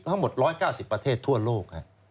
ทั้งหมด๑๙๐ประเทศทั่วโลก